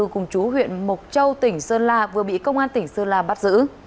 cùng chú huyện mộc châu tỉnh sơn la vừa bị công an tỉnh sơn la bắt giữ